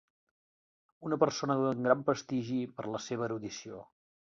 Una persona d'un gran prestigi per la seva erudició.